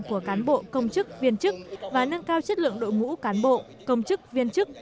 của cán bộ công chức viên chức và nâng cao chất lượng đội ngũ cán bộ công chức viên chức